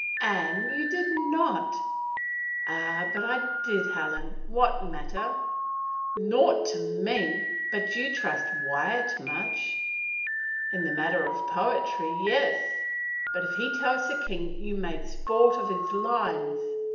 " Anne, you did noil" "Ah, but I did, Helen. What matter?" " Naught to me ... but you trust Wyatt much." 82 CALUMNY (t " In the matter of poetry — yes." " But if he tells the king you made sport of his lines